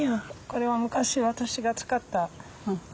これは昔私が使った生地やね。